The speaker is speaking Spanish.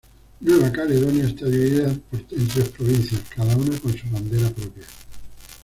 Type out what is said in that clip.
Nueva Caledonia está dividida en tres provincias, cada una con su bandera propia.